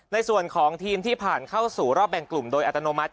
ในส่วนของทีมที่ผ่านเข้าสู่รอบแบ่งกลุ่มโดยอัตโนมัติ